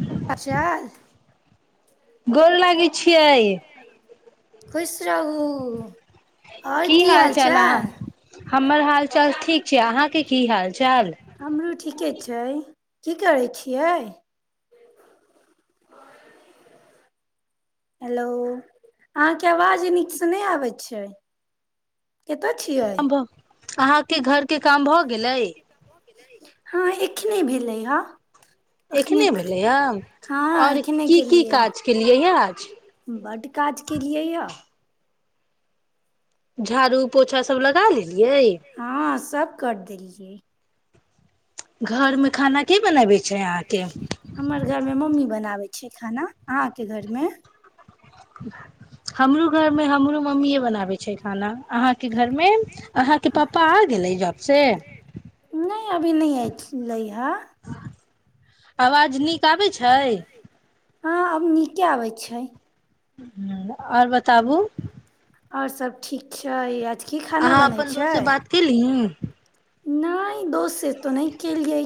[unintelligible] गोर लागै छियै खुश रहू आओर की हाल चाल हालचाल अहाँ हमर हाल चाल ठीक छै अहाँके की हाल चाल हमरो ठीके छै की करै छियै हेलो अहाँ के आवाज नीक से नहि आबै छैय अहाँ के घर के काम भ गेलै हहाँ ऐंखने भेलैय हाँ एखने भेलैए हाँ आओर एखने की की केलियै या काज केलियै य आज बड्ड काज केलियै या झारू हाँ सब कर देलियै घर में खाना के बनाबे छै अहाँके हमर घर मे मम्मी बनाबै छै छै खाना अहाँ के घर मे [inaudible] हमरो घर मे हमरो मम्मी बनाबै छै खाना अहाँ के घर मे अहाँ के पापा आ गेलै जॉब से नहि अभी नै एथिलै हन [unintelligible] आवाज नीक आबै छै हाँ आब नीके आबै छै आओर बताबू आओर सब ठीक छै की खाना अहाँ बनै अपन दोस्त से बात केलहीं नैय दोस से ते ने केलियै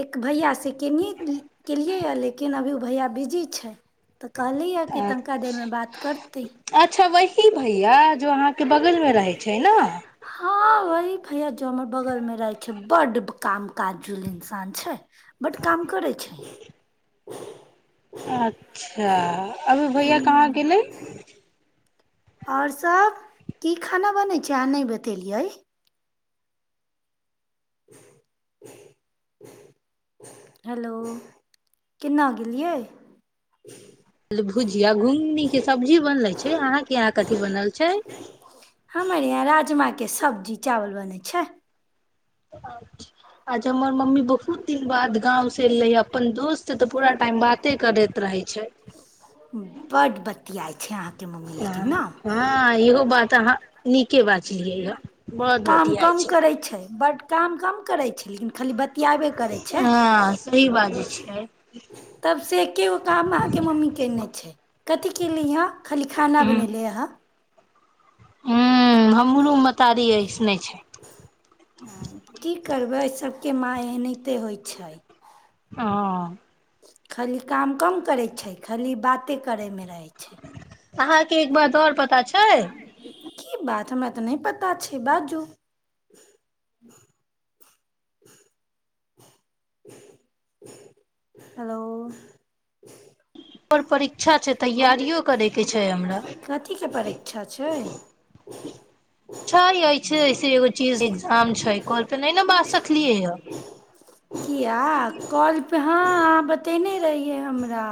एक भैया से केलियै लेकिन अभी उ भैया बिजी छै त कहलियै या कि तनिका देर मे बात करतै अच्छा वही भैया जो अहाँके बगलमे रहै छै ने हाँ वही भैया जो हमरा बगल मे रहै छै बड्ड काम काजूल इन- सान छै बड्ड काम करै छै अच्छा अभी भैया कहाँ गेलै आओर सब की खाना बनै छै अहाँ नै बतेलियै हेलो कन्ने गेलियै भुजिया घुघनी के सब्जी बनले छै अहाँ इहाँ कथि बनल छै हमर यहाँ राजमा के सब्जी चावल बनैय छै [unintelligible] मम्मी बहुत दिन बाद गाँंव से एले या अपन दोस्त तऽ पूरा टाइम बाते करैत रहै छै [unintelligible] बढ़ बदमाश [unintelligible] हाँ इहो बात अहाँ नीके बाजलियै ह बड काम बतियाइ कम करै छै बड्ड काम कम करै छै लेकिन खाली बतियाबे करै छै हँ सही बाजै छियै तब से एगो काम अहाँके मम्मी केने छै कथि केलिहीं हन खाली खाना बनेलियै हँ हूँ हूँ हमरो मतारी ऐसने छै की करबै सबके माय एनाहिंते होइ छै हँ खाली काम कम करैय छै खाली बाते करै मे रहैय अहाँके एक बात आओर पता छै की बात हमरा तऽ नहि पता छै बाजू हेलो आओर परीक्षा छैय तैयारियौ करै के छैय हमरा कथीके परीक्षा छै छैय ऐसे वैसे एगो चीज एक्जाम छैय कल पे नहि ने बाज सकलियै या किया कॉल पे हँ बतेने रहियै हमरा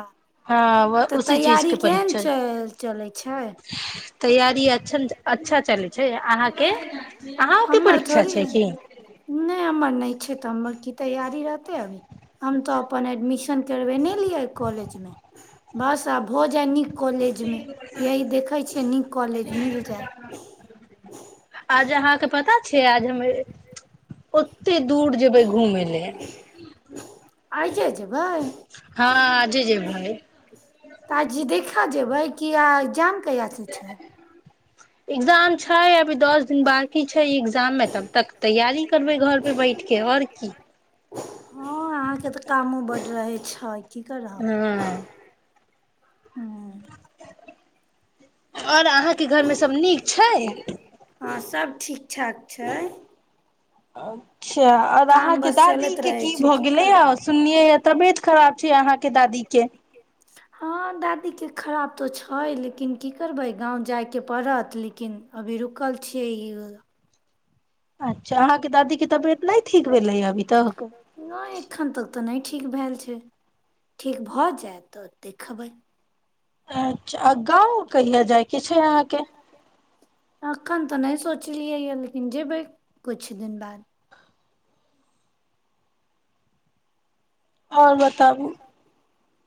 हँ त उसी चीज तैयारी के केहन परीक्षा च चलै छैय तैयार जी अच्चन अच्छा चलै छै अहाँ के अन्हु के हमर परीक्षा थोड़े छै की त हमर की तैयारी रहतै आब हम त अपन एडमिशन करबेने रहियै कॉलेज मे बस आब भ जाइ नीक कॉलेज मे यही देखै छियै नीक कॉलेज मिल जाय आज अहाँके पता छैय आज जे मे ओ केते दूर जेबै घूमेला आइजे जेबै हाँ आजे जेबैय तऽ आजी देखा जेबै कि एग्जाम कहिया स छैय [unintelligible] एगजाम छैय अभी दस दिन बाँकी छैय एगजाम मे तब तक तैयारी करबै घर पे बैठके आओर की हँ अहाँके तऽ कामो बड रहे छै हँ हूँ [unintelligible] आओर अहाँ के घरमे सभ नीक छैय हँ सब ठीक ठाक छैय आउ अच्छा आओर अहाँ के दादी चलैत के रहै की छै भ गेलै या करबै सुनलियै तबियत खराब छैय अहाँके दादी के त छैय लेकिन की करबै गाँव जायके पड़त लेकिन अभी रुकल छियै ई अच्छा अहाँ दादीे के तबीयत नै ठीक भेलैया अभी तक नहि एखन तक तऽ नहि ठीक भेल छैय ठीक भ जायत त देखबै अच्छा आ गाँव कहिया जायके छैय अहाँके अखन त नै सोचलियै या लेकिन जेबैय कुछ दिन बाद आओर बताबू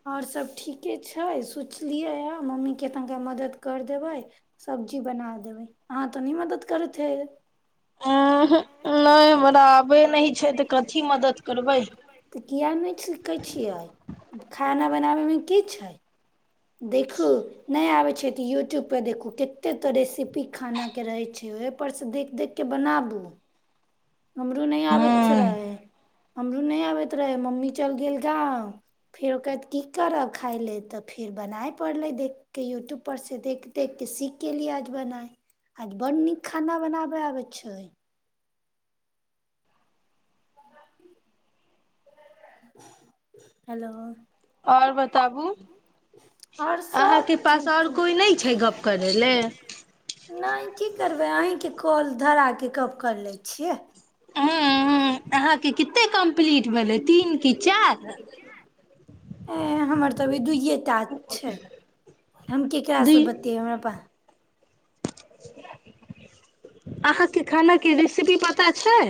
आओर सब ठीके छैय सोचलियैया मम्मीके तनका मदत कर देबै सब्जी बना देबै अहाँ त नै मदद करैत हेबै अं ह नै हमरा आबे नहि छै तऽ कथी मदद करबै किया नहि सीखै छियै खाना बनाबे मे की छैय देखू नहि आबै छै तऽ यूट्यूब पर देखू कते त रेसिपी खाना के रहै छै ओहि पर से देख देख के बनाबू हमरो नहि आबैत हूं रहै हमरो नहि आबैत रहै मम्मी चलि गेल गाँव फेर ओकरा की करब खाय लेल तऽ फेर बनाय पड़लै देखि कऽ यूट्यूबपर से देखि देखि कऽ सीख गेलयलियै आज बनाय आज बड्ड नीक खाना बनाबय आबै छै हेलो आओर बताबु आओर सब ठीक छै कोइ नहि छै गप करै ले नहि की करबै अहिं के कॉल धरा के गप्प कर लै छियै हूँ हँ अहाँके कित कते कम्पलीट भेलै तीन की चार अं हमर तऽ अभी दूइए टा छै हम केकरा दी से बतियैय हमरा पास अहाँके खाना के रेसिपी पता छै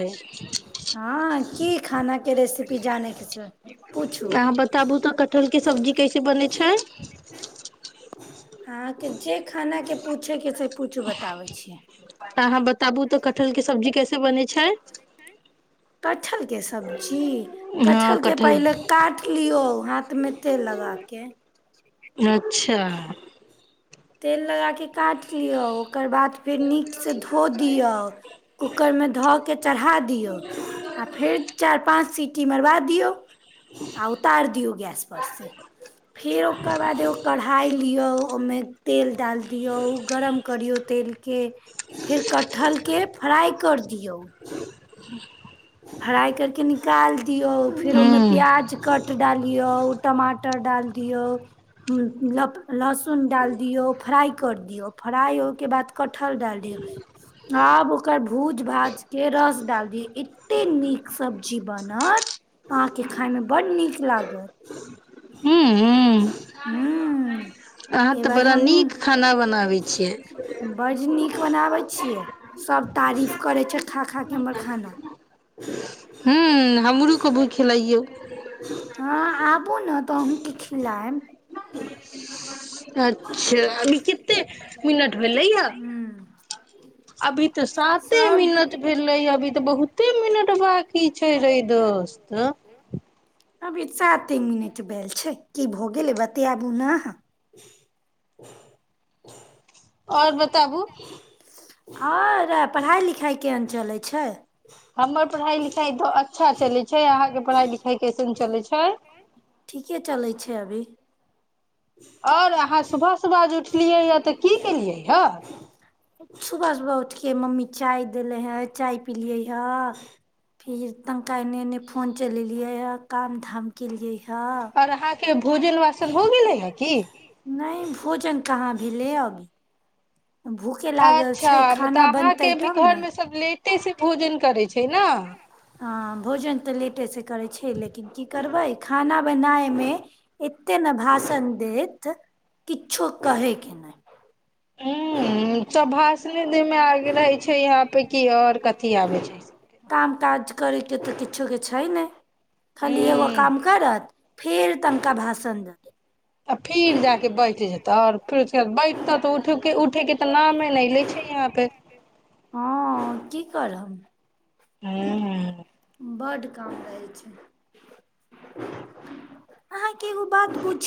हँ की खानाके रेसिपी जानैके छै पूछू अहाँ बताबू तऽ कटहलके सब्जी कैसे बनै छै अहाँके जे खानाके पूछेके से पूछू बताबै छी तऽ अहाँ बताबू तऽ कटहलके सब्जी कैसे बनै छै कटहलके सब्जी हँ कटहरके पहिले कटहल काट लियौ हाथमे तेल लगाके अच्छा तेल लगाके काटि लिऔ ओकर बाद फेर नीक से धोदियौ कुकुर मे धअ के चढ़ा दियौ फेर चारि पाँच सीटी -ट्टी मरबा दियौ आ उतारि दियौ गैस पर से फेर ओकर बाद ओ - कढ़ाई लिऔ ओमे तेल डाल दियौ गरम करियौ तेल के फिर कटहल के फ्राई कर दियो फ्राइ करके निकाल- दियौ फेर ओमे हूं प्याज कट डालियौ टमा- -टर डाल दियौ लप-लहसुन डाल दियौ फ्राइ कर दियौ फ्राइ होइ बाद कटहल डाल दियौ आब ओकर भूज भाजके रस डाल दियौ एते- एते नीक सब्जी बनत अहाँके खााइमे बड्ड नीक लागत हूं हूं हूँ अहाँ एहि तऽ बार बड़ा हमहूँ नीक खाना बनाबै छियै बड्ड नीक बनाबै छियै सभ तारीफ करै छै खा खा कऽ हमर खाना हूँ हमरो कभू खिलैइयौ हँ आब- -बू ने तऽ अन्हु खिलायब अच्छा लि- कते मिनट भेलैया हूँ अभी त साते सब मिनट भेलैय अभी ते बहुते मिनट बाँ- की छै रै दोस्त ऐं अभी साते मिनट भेल छै की भऽ गेलै बतियाबु ने अहाँ आओर बताबू आओर पढ़ाइ लिखाइ केहन चलै छै हमर पढ़ाई लिखाई तऽ अच्छा चलै छै अहाँके पढ़ाई लिखाई कैसन चलै छै ठीके चलै छै अभी आओर अहाँ सुबह सुबह जे उठलियैए तऽ की केलियै हए सुबह सुबह उठ के मम्मी चाय देले हें चाय पिलियै हए फिर तनिका एने एने फोन चलेलियै हए काम धाम केलियै ह आओर अहाँके भोजन वासन हो गेलैए हँ की नहि भोजन कहाँ भी ले अब अच्छा मतलब बनतै अहाँके भी तब ने घरमे सभ लेटेसँ भोजन करै छै न हँ भोजन तऽ लेटेसँ करै छै लेकिन की करबै खाना बनायमे एतेक ने भाषण देत किछो कहैके नहि हूँ सभ भाषण ने दैय मे आगे रहे छै यहाँ पे कि आओर कथि आबे छै सबके काम काज करय के तऽ किछोके छै नै ह खाली एगो काम करत फेर तनका भाषण दे- आ फेर जा कऽ बैठ जेतह आओर फिर से बैठतह तऽ उठये उठयके तऽ नामे नहि लै छै यहाँ पे हँ की करब हूँ बड्ड काम रहै छै आँय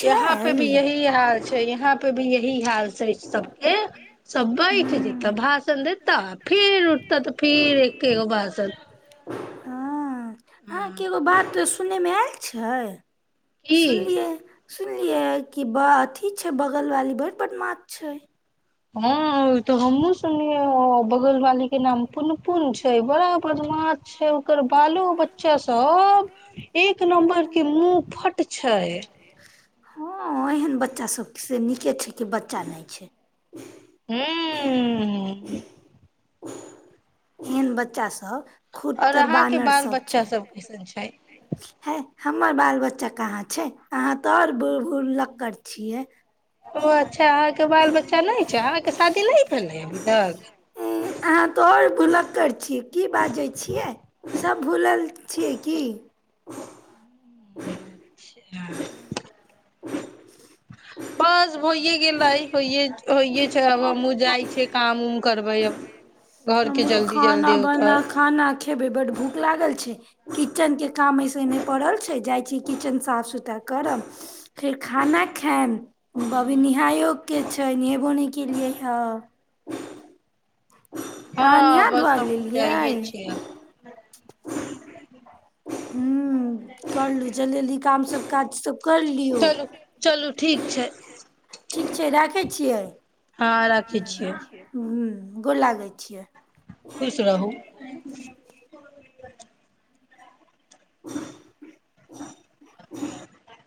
यहाँ पे भी यही हाल छै यहाँ पे भी यही हाल छै सबके सब हूँ, बैठ जेत भाषण देताह फेर उठत तऽ फेर एकेगो भाषण हँ अहाँके एगो बात सुनैय मे एल छै की सुनलियै सुनलियै की बा अथि छै बगल वाली बढ‌ बदमाश छै हां उ तऽ हमहु सुनलियै बगल वाली की नाम पुन पुन छैय बड़ा बदमाश छै ओकर बालो बच्चा सब एक नंबर के मुंह फट छै ह एहन बच्चा सब से निके छै कि बच्चा नहि छै ह्म [unintelligible] एहन बच्चा सब खुद और तऽ अहाँके बानर बाल सब बच्चा छै सब कैसन छै है हम हमर बाल बच्चा कहाँ छै आहाँ तऽ आओर भुलक्कड़ छियै ओ अच्छा अहाँके बाल बच्चा नै छै अहाँके शादी नै भेलै हे अभी तक नै अहाँ त आओर भुलक्कड़ छी कि बाजै छियै सब भूलल छियै की [unintelligible] ना बोल होइयै गेलै होइये होइयै छै अब हमु जाइछियै काम उम करबै अब घर के हमरो जल्दी खाना जल्दी ओतह बना खाना खेबै बड भूख लागल छै किचन के काम ऐसेहने पड़ल‌छैय जाइ छियै‌ किचन ‌साफ सुथरा करब फिर‌ खाना खायब नेहायियोके छै नेहेबो नै केलियै हँ हँ बस हमहूँ जाइयै लेलियै छियै अब हूँ करलू जल्दी जल्दी काम सब काज सब कर लियौ चलू चलू ठीक छै ठीक छै राखै छियै हँ राखै छियै गोर लागैय छियै खुश रहु [inaudible] [unintelligible]